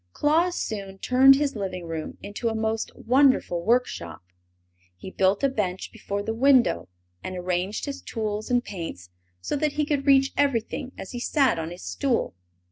Claus soon turned his living room into a most wonderful workshop. He built a bench before the window, and arranged his tools and paints so that he could reach everything as he sat on his stool.